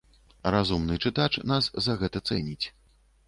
Разумны чытач нас за гэта цэніць.